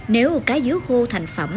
nếu cá dứa khô thành phẩm